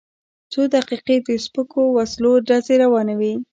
څو دقیقې د سپکو وسلو ډزې روانې وې.